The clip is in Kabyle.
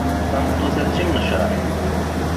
Tameṭṭut-a d timnecreḥt.